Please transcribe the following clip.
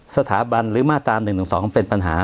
สถาบันหรือมาตรา๑๑๒เป็นปัญหา